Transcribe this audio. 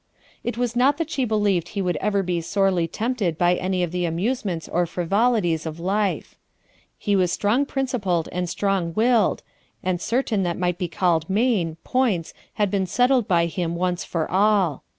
It was not that she believed he would ever be sorely tempted by any of the amusements or frivolities of life; he was strong principled and strong willed, and certain, that might be called main, points had been settled by him once for all.